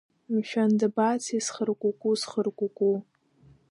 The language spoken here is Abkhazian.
Мшәан, дабацеи схыркәыкәы, схыркәыкәы!